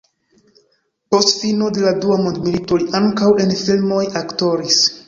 Post fino de la dua mondmilito li ankaŭ en filmoj aktoris.